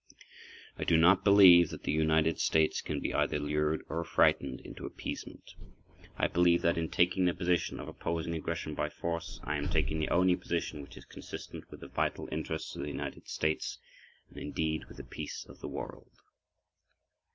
I do not believe that the United States can be either lured or frightened into appeasement. I believe that, in taking the position of opposing aggression by force, I am taking the only position which is consistent with the vital interests of the United States and, indeed, with the peace of the world.